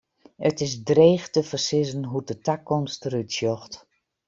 It is dreech te foarsizzen hoe't de takomst der út sjocht.